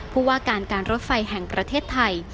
ผู้ว่าการการรถไฟแห่งประเทศไทย